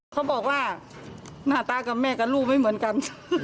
เขาบอกว่าหน้าตากับแม่กับลูกไม่เหมือนกัน